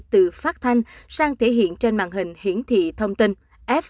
từ phát thanh sang thể hiện trên mạng hình hiển thị thông tin fids